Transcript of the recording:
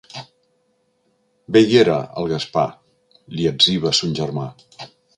Bé hi era, el Gaspar —li etziba son germà—.